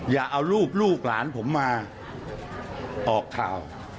อย่าเอารูปลูกหลานผมมาออกข่าว